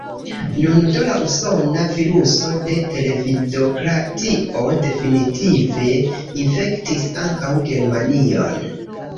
Nun do la usona viruso de televidokratio definitive infektis ankaŭ Germanion.